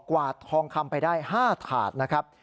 วาดทองคำไปได้๕ถาดนะครับ